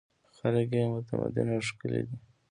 خلک یې متمدن او ښکلي دي.